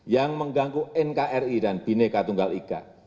yang mengganggu nkri dan bineka tunggal ika